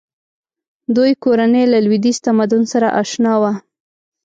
دوی کورنۍ له لویدیځ تمدن سره اشنا وه.